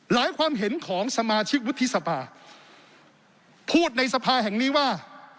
ความเห็นของสมาชิกวุฒิสภาพูดในสภาแห่งนี้ว่า